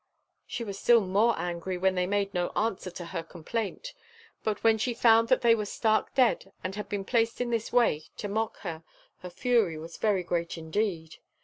She was still more angry when they made no answer to her complaint; but when she found that they were stark dead and had been placed in this way to mock her, her fury was very great indeed.